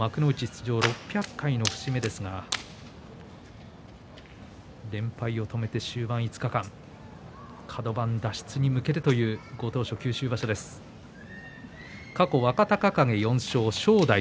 出場６００回の節目ですが連敗を止めて終盤５日間カド番脱出に向けてという九州場所です、正代。